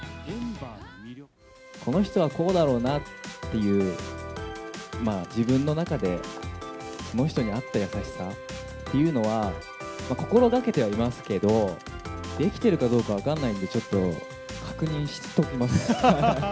この人はこうだろうなっていう、まあ、自分の中でその人に合った優しさというのは、心がけてはいますけど、できてるかどうか分かんないんで、ちょっと確認しときます。